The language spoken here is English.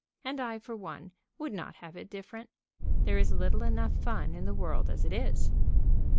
And I, for one, would not have it different. There is little enough fun in the world as it is.